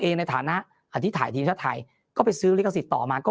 เองในฐาณที่ถ่ายที่ชาติไทยก็ไปซื้อลิขสิทธิ์ต่อมาก็